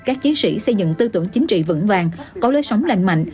các chiến sĩ xây dựng tư tưởng chính trị vững vàng có lối sống lành mạnh